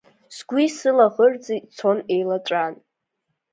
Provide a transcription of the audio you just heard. Сгәи сылаӷырӡи цон еилаҵәан…